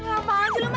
apaan sih lu mat